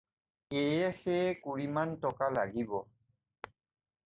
এয়ে সেয়ে দুকুৰিমান টকা লাগিব।